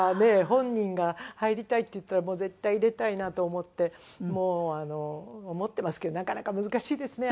本人が入りたいって言ったらもう絶対入れたいなと思って思ってますけどなかなか難しいですね。